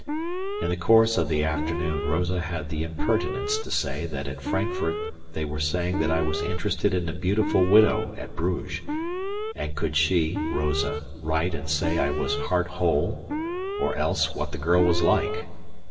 In the course of the afternoon Rosa had the impertinence to say that at Frankfurt they were saying that I was interested in a beautiful widow at Bruges, and could she (Rosa) write and say I was heart whole, or else what the girl was like.